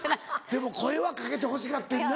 でも声はかけてほしかってんな。